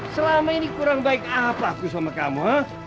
selama ini kurang baik apa aku sama kamu